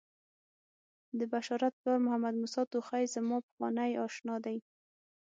د بشارت پلار محمدموسی توخی زما پخوانی آشنا دی.